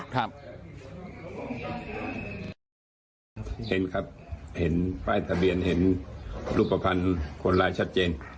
เช่นครับเห็นป้ายทะเบียนเห็นรูปภัณฑ์คนร้ายชัดเจน